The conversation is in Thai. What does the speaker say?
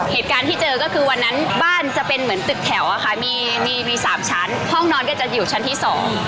เหตุการณ์ที่เจอก็คือวันนั้นบ้านจะเป็นเหมือนตึกแถวอะค่ะมีมีสามชั้นห้องนอนก็จะอยู่ชั้นที่สอง